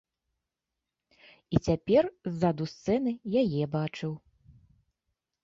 І цяпер ззаду сцэны яе бачыў.